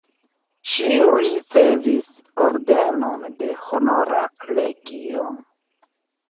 Ŝi ricevis ordenon de Honora legio.